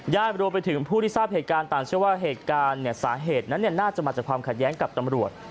รวมไปถึงผู้ที่ทราบเหตุการณ์ต่างเชื่อว่าเหตุการณ์สาเหตุนั้นน่าจะมาจากความขัดแย้งกับตำรวจ